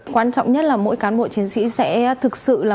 quan trọng nhất là mỗi cán bộ chiến sĩ sẽ thực sự là